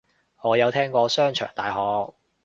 我有聽過商場大學